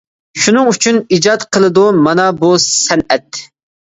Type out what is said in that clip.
شۇنىڭ ئۈچۈن ئىجاد قىلىدۇ، مانا بۇ سەنئەت!